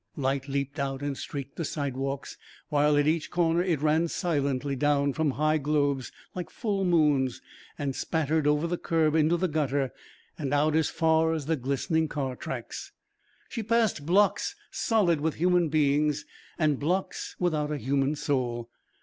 Light leaped out and streaked the sidewalks while at each corner it ran silently down from high globes like full moons and spattered over the curb into the gutter and out as far as the glistening car tracks. She passed blocks solid with human beings and blocks without a human soul.